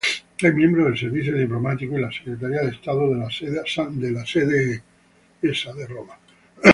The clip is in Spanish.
Es miembro del Servicio Diplomático y la Secretaría de Estado de la Santa Sede.